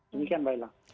demikian mbak ilang